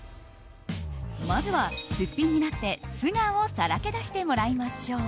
まずは、すっぴんになって素顔をさらけ出してもらいましょう。